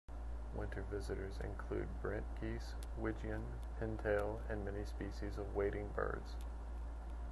Winter visitors include brent geese, wigeon, pintail and many species of wading birds.